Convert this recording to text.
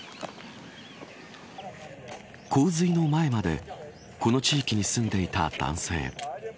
洪水の前までこの地域に住んでいた男性。